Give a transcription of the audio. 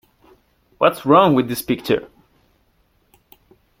What's Wrong with this Picture?